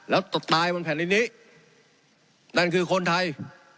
แล้วตายบนแผ่นดินนี้นั่นคือคนไทย